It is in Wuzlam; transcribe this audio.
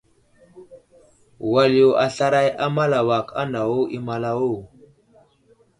Wal yo aslaray a malawak anawo i malawo.